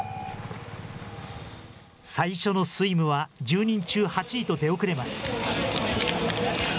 最初のスイムは、１０人中８位と出遅れます。